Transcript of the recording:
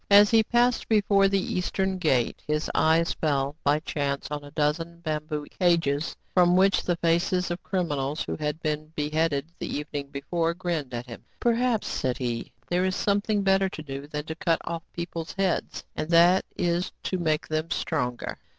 As he passed before the eastern gate, his eyes fell by chance on à dozen bamboo cages, from which the faces of criminals who had been be headed the evening before grinned at him. " Per 32 TRIBULATIONS OF A CHINAMAN. haps," said he, "there is something better to do than to cut off people's heads ; and that is, to make them stronger."